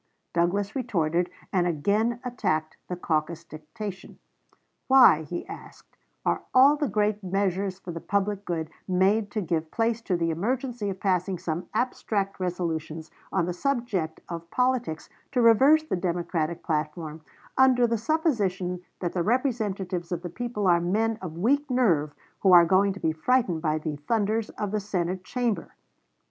Douglas retorted, and again attacked the caucus dictation. "Why," he asked, "are all the great measures for the public good made to give place to the emergency of passing some abstract resolutions on the subject of politics to reverse the Democratic platform, under the supposition that the representatives of the people are men of weak nerve who are going to be frightened by the thunders of the Senate Chamber?"